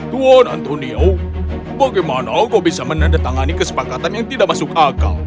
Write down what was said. tuan antonio bagaimana kau bisa menandatangani kesepakatan yang tidak masuk akal